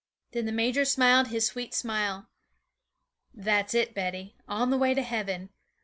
Then the major smiled his sweet smile. 'That's it, Betty, on the way to heaven.